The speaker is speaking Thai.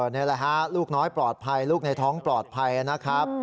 นี่แหละฮะลูกน้อยปลอดภัยลูกในท้องปลอดภัยนะครับ